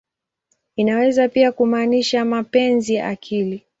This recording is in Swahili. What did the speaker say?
Inaweza pia kumaanisha "mapenzi ya akili.